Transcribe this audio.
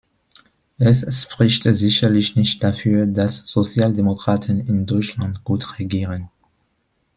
Es spricht sicherlich nicht dafür, dass Sozialdemokraten in Deutschland gut regieren.